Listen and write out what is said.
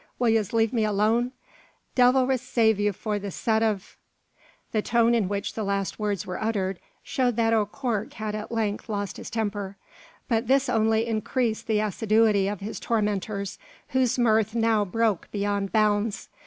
will yez let me alone? Divil resave ye for a set of " The tone in which the last words were uttered showed that O'Cork had at length lost his temper; but this only increased the assiduity of his tormentors, whose mirth now broke beyond bounds.